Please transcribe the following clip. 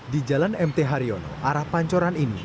di jalan mt haryono arah pancoran ini